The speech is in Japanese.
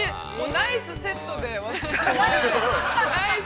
ナイスセットで。